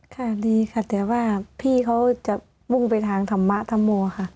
ค่ะดีค่ะแต่ว่าพี่เขาจะมุ่งไปทางธรรมธรรโมค่ะ